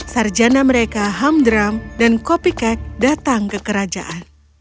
sarjana mereka hamdram dan kopikek datang ke kerajaan